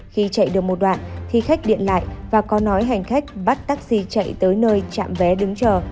khi chạy được một đoạn thì khách điện lại và có nói hành khách bắt taxi chạy tới nơi trạm vé đứng chờ